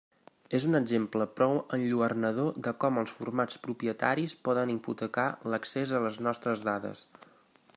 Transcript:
És un exemple prou enlluernador de com els formats propietaris poden hipotecar l'accés a les nostres dades.